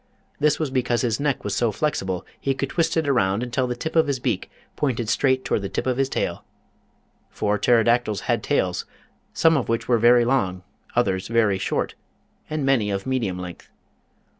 This was because his neck was so flexible he could twist it around until the tip of his beak pointed straight toward the tip of his tail. For Ptero dactyls had tails, some of which were very long, others very short, and many of medium length.